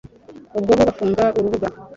ubwo bo bafunga urubuga